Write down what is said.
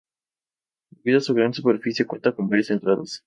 Debido a su gran superficie cuenta con varias entradas.